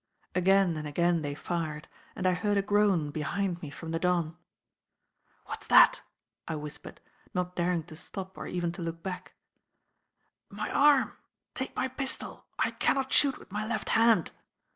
Again and again they fired, and I heard a groan behind me from the Don. "What's that?" I whispered, not daring to stop or even to look back: "My arm! Take my pistol, I cannot shoot with my left hand."